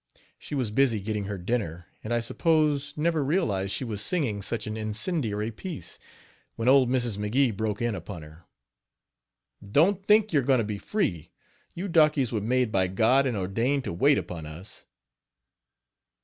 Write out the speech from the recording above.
She was busy getting her dinner, and I suppose never realized she was singing such an incendiary piece, when old Mrs. McGee broke in upon her: "Don't think you are going to be free; you darkies were made by God and ordained to wait upon us.